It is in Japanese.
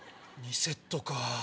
２セットか。